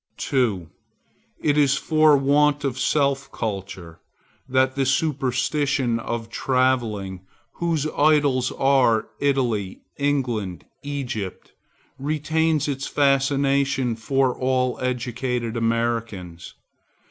2. It is for want of self culture that the superstition of Travelling, whose idols are Italy, England, Egypt, retains its fascination for all educated Americans.